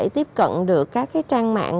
tiếp cận được các trang mạng